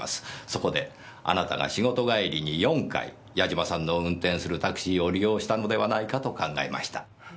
そこであなたが仕事帰りに４回八嶋さんの運転するタクシーを利用したのではないかと考えました。